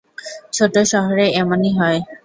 ছোট শহরে এমনই হয়।